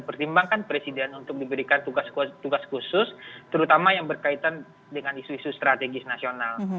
pertimbangkan presiden untuk diberikan tugas khusus terutama yang berkaitan dengan isu isu strategis nasional